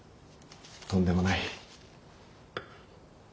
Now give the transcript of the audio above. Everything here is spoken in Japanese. とんでもない。